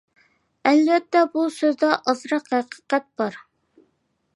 ئەلۋەتتە بۇ سۆزدە ئازراق ھەقىقەت بار.